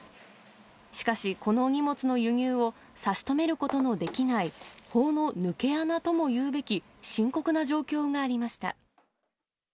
しかし、この荷物の輸入を差し止めることのできない、法の抜け穴ともいうべき深刻な状況がありました。